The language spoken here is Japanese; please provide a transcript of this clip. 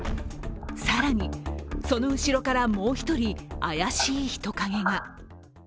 更に、その後ろから、もう一人、怪しい人影が。